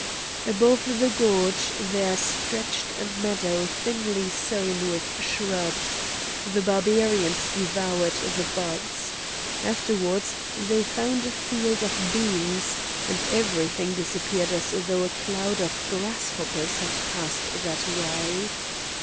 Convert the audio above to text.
Above the gorge there stretched a meadow thinly sown with shrubs; the Barbarians devoured the buds. Afterwards they found a field of beans; and everything disappeared as though a cloud of grasshoppers had passed that way.